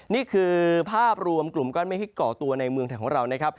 นี่คือภาพรวมกลุ่มก้อนเมฆที่เกาะตัวในเมืองไทยของเรานะครับ